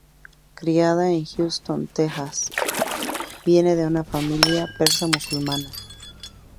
Criada en Houston, Texas, viene de una familia persa musulmana.